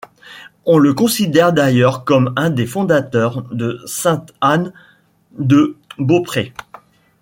On le considère d'ailleurs comme un des fondateurs de Sainte-Anne-de-Beaupré.